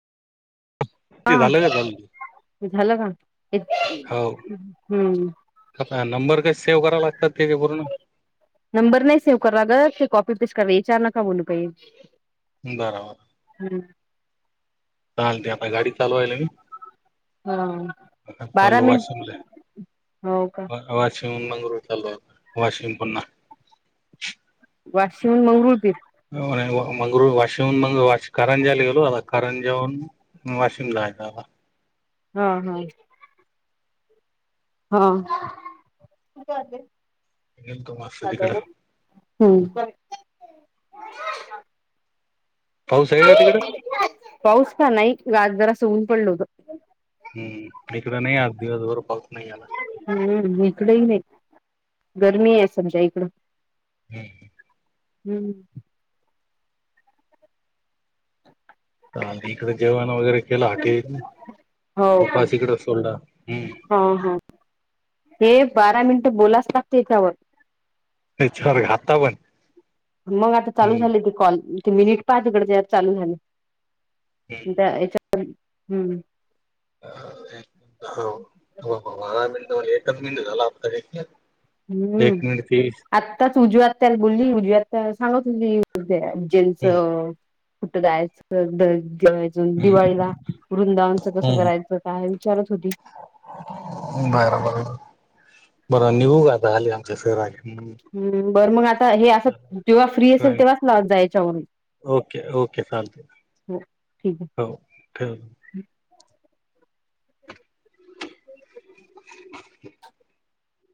ते हा झालं का ल झालं का हो हम्म आता नंबर का सेव्ह करावला लागतात तेे पूर्ण नंबर नाही सेव्ह करा ग क कॉपी पेस्ट करावी विचार नका बोलू काहिे बराबर चाल ते आता गाडी चालूवायल मी हा आता बारा मिनिट तलावाशनले हो का वाशिम मंगर चालूता वाशिम पुन्हा वाशिम मंगळूर दे मंगरू वाशीहून म करंजाला गेलो आता करंजाहून मी वाशिमला जायचंय आता हा हा हा किती वाजले गेलतो मस्त आता तिकडं का हम् बाय पाऊस आहे का तिकडं पाऊस का नाही की आज जरास ऊन पडल होत. हम्म इकडं नाही आज दिवसभर पाऊस नाही आला हम्म इकड हि नाही गरमी आहे समजा इकडं [unintelligible] हम्म आम्ही इकडें जेवाण वगैरे केलं हॉटेल हो का उपास इकड सोडला हम हा हा हे बारा मिनिटं बोलाच लााततेच्यावर छर घातावन मग आता चालू झाले ते कॉल ते मिनिट पाहा तिकड चालू झाले. हम्म त्या याच्या पर्यंत हम्म हो हो हे भगवान एक मिनिट झाला आता इतक्यात हम्म आत्ताच ऊजु आत्याला बोलली ऊजु आत्या सांगत होती. जेचं कुठं जायचं ड ज हम्म दिवाळीला वृंदावनच कसं करायचं काय विचारत होती. बर बर बरं निघू का आता आलेआमचे सर आले हम् बरं मग आता हे असं जेव्हा फ्री असेल तेव्हाच लावत जा याच्यावरून ओके ओके चालते हो ठीक. हो ठेव [unintelligible] [unintelligible]